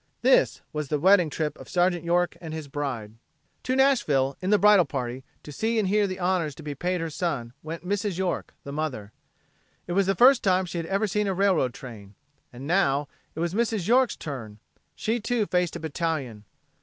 This was the wedding trip of Sergeant York and his bride. To Nashville, in the bridal party, to see and hear the honors to be paid her son went Mrs. York, the mother. It was the first time she had ever seen a railroad train. And, now, it was Mrs. York's turn. She, too, faced a battalion.